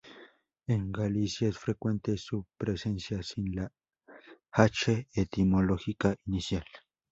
En Galicia es frecuente su presencia sin la hache etimológica inicial.